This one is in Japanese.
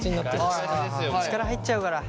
力入っちゃうから。